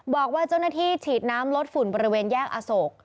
บอกว่าเจ้าหน้าที่ฉีดน้ำลดฝุ่นบริเวณแยกอโศก